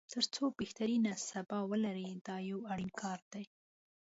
تر څو بهترینه سبا ولري دا یو اړین کار دی.